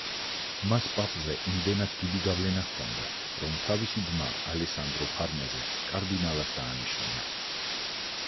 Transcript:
მას პაპზე იმდენად დიდი გავლენა ჰქონდა, რომ თავისი ძმა, ალესანდრო ფარნეზე კარდინალად დაანიშნინა.